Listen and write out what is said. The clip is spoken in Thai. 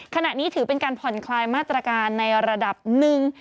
ขณะนี้ถือเป็นการผ่อนคลายมาตรการในระดับหนึ่ง